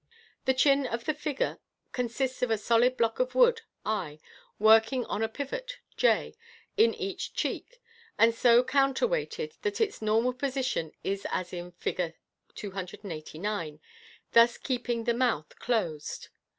The chin of the figure consists of a solid block of wood i, working on a pivot j in each cheek, and so counterweighted that its normal position is as in Fig. 289, thus keeping the mouth closed.